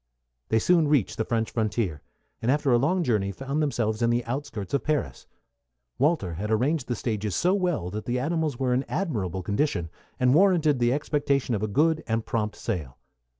They soon reached the French frontier, and after a long journey found themselves in the outskirts of Paris. Walter had arranged the stages so well that the animals were in admirable condition, and warranted the expectation of a good and prompt sale.